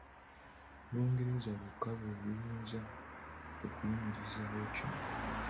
Olungereza lwokka lwe luyinza okuyimirizaawo kino.